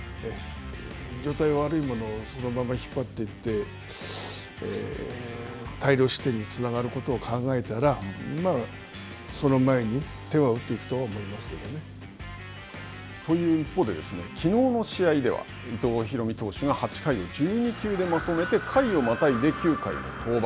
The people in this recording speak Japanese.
状態が悪いものをそのまま引っ張っていって、大量失点につながることを考えたら、まあ、その前に手は打っていくと思いますけどね。という一方で、きのうの試合では、伊藤大海投手が８回を１２球でまとめて、回をまたいで、９回を登板。